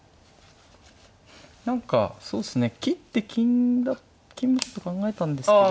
何かそうですね切って金もちょっと考えたんですけど。